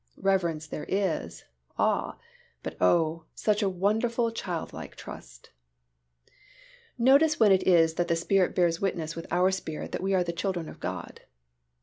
Reverence there is, awe, but oh! such a sense of wonderful childlike trust. Notice when it is that the Spirit bears witness with our spirit that we are the children of God.